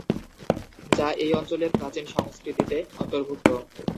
যা এই অঞ্চলের প্রাচীন সংস্কৃতিতে অন্তর্ভুক্ত।